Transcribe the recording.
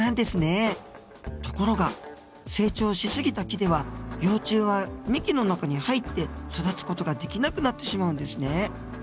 ところが成長し過ぎた木では幼虫は幹の中に入って育つ事ができなくなってしまうんですね。